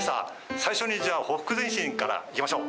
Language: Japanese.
最初にじゃあ、ほふく前進からいきましょう。